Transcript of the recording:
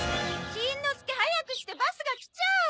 しんのすけ早くしてバスが来ちゃう。